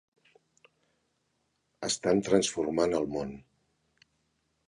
Estan transformant el món.